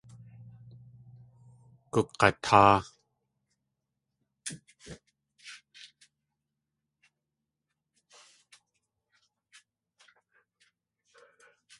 Gug̲atáa.